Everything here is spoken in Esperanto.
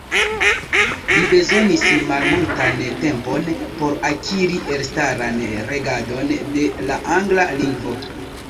Li bezonis malmultan tempon por akiri elstaran regadon de la angla lingvo.